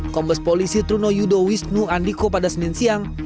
kombes polisi truno yudo wisnu andiko pada senin siang